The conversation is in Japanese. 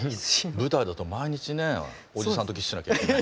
舞台だと毎日ねおじさんとキスしなきゃいけない。